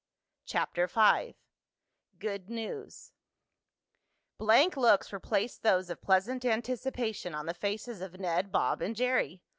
CHAPTER V GOOD NEWS Blank looks replaced those of pleasant anticipation on the faces of Ned, Bob and Jerry.